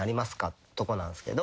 ってとこなんですけど。